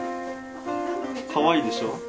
かわいいでしょ？